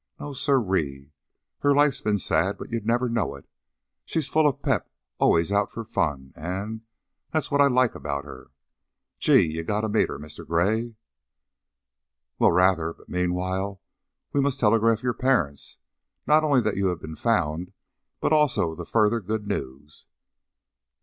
No sir ee! Her life's been sad, but you'd never know it. She's full of pep; allus out for fun, an' that's what I like about her. Gee! You gotta meet her, Mr. Gray." "Well, rather! But meanwhile, we must telegraph your parents not only that you have been found, but also the further good news."